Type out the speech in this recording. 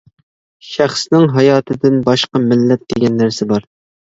شەخسنىڭ ھاياتىدىن باشقا، مىللەت دېگەن نەرسە بار.